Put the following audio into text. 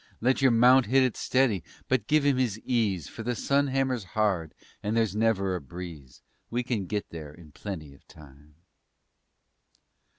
_ Let your mount hit it steady, but give him his ease, For the sun hammers hard and there's never a breeze. _We kin get there in plenty of time.